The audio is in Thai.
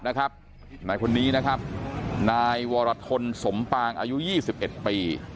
นายคนนี้นะครับนายวรทนสมปางอายุยี่สิบเอ็ดปี